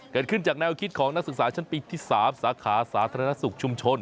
เกิดขึ้นจากแนวคิดของนักศึกษาชั้นปีที่๓สาขาสาธารณสุขชุมชน